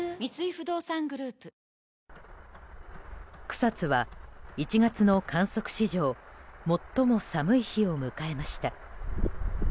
草津は１月の観測史上最も寒い日を迎えました。